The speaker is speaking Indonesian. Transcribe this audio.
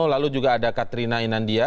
lalu juga ada katrina inandia